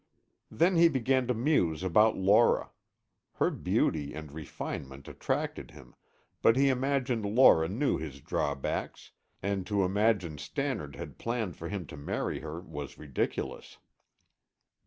Then he began to muse about Laura. Her beauty and refinement attracted him, but he imagined Laura knew his drawbacks, and to imagine Stannard had planned for him to marry her was ridiculous.